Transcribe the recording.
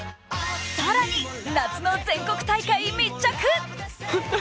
更に、夏の全国大会に密着。